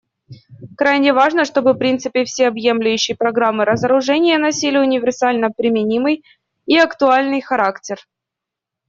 Крайне важно, чтобы принципы всеобъемлющей программы разоружения носили универсально применимый и актуальный характер.